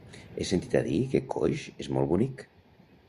He sentit a dir que Coix és molt bonic.